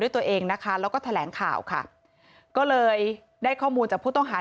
ตัวเองนะคะแล้วก็แถลงข่าวค่ะก็เลยได้ข้อมูลจากผู้ต้องหา